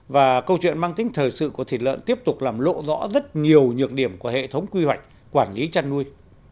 và câu chuyện mang tính thời sự của thịt lợn tiếp tục làm lộ rõ rất nhiều nhược điểm của hệ thống quy hoạch quản lý chăn nuôi